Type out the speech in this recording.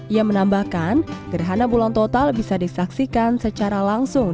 ia menambahkan gerhana bulan total bisa disaksikan secara langsung